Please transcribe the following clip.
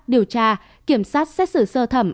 điều tra kiểm sát xét xử sơ thẩm